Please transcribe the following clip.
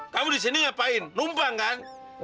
kamu di sini ngapain numpang kan